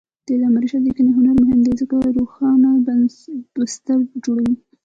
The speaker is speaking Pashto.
د علامه رشاد لیکنی هنر مهم دی ځکه چې روښانه بستر جوړوي.